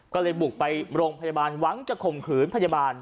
ก็เลยบุกไปโรงพยาบาลหวังจะข่มขืนพยาบาล